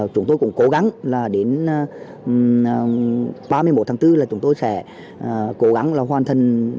chúng tôi cũng cố gắng là đến ba mươi một tháng bốn là chúng tôi sẽ cố gắng là hoàn thành